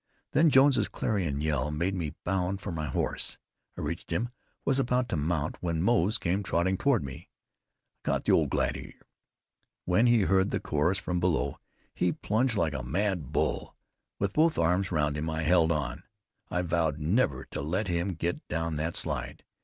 Then Jones's clarion yell made me bound for my horse. I reached him, was about to mount, when Moze came trotting toward me. I caught the old gladiator. When he heard the chorus from below, he plunged like a mad bull. With both arms round him I held on. I vowed never to let him get down that slide.